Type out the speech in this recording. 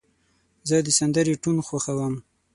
زه د سندرې ټون خوښوم.